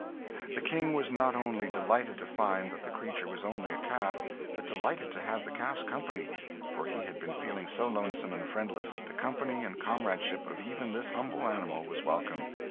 The King was not only delighted to find that the creature was only a calf, but delighted to have the calf's company; for he had been feeling so lonesome and friendless that the company and comradeship of even this humble animal were welcome.